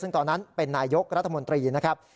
ซึ่งตอนนั้นเป็นนายกรัฐมนตรีนะครับ